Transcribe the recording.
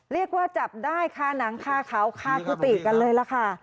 เรียกว่าจับได้ฆ่านังฆ่าเขาฆ่าผิตกันเลยแล้วค่ะ